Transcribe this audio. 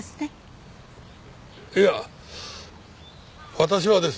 いや私はですね